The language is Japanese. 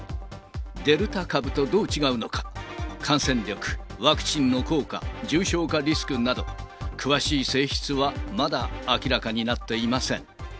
デルタ株とどう違うのか、感染力、ワクチンの効果、重症化リスクなど、詳しい性質はまだ明らかになっていません。